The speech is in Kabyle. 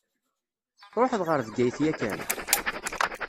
Tṛuḥeḍ ɣer Bgayet yakan?